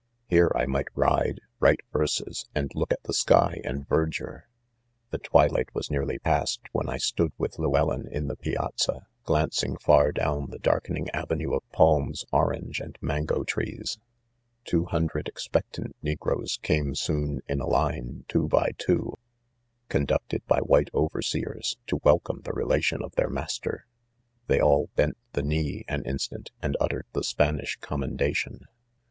Here I might ride, write verses, and look at~the sky and verdure. ' The twilight was nearly past, when I stood with Llewellyn, in the piazza, glancing far down #he darkening avenue of palms, or ange, and mango trees. Two hundred expec tant negroes. came soon in a line, two by two, conducted by white overseers, to welcome the relation of their master \ they all bent the knee an instant, and uttered the Spanish commen dation.